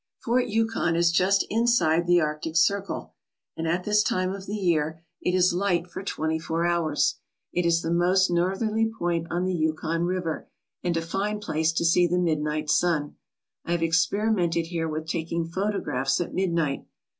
Fort Yukon is just inside the Arctic Circle, and at this time of the year it is light for twenty four hours. It is the most northerly point on the Yukon River and a fine place to see the midnight sun. I have experimented here with taking photographs at midnight.